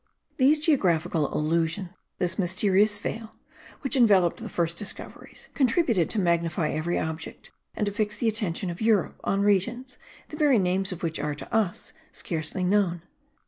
These geographical illusions, this mysterious veil, which enveloped the first discoveries, contributed to magnify every object, and to fix the attention of Europe on regions, the very names of which are, to us, scarcely known.